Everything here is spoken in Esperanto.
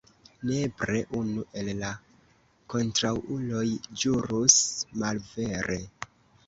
Nepre unu el la kontraŭuloj ĵurus malvere.